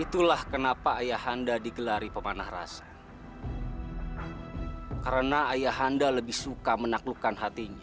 itulah kenapa ayah ata di gelari pemanah raseng karena ayahanda lebih suka menaklukkan hatinya